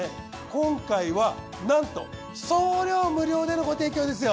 今回はなんと送料無料でのご提供ですよ。